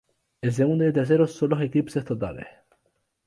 El segundo y el tercero son los eclipses totales.